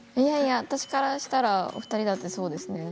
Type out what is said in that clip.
私からしたらお二人だってそうですね。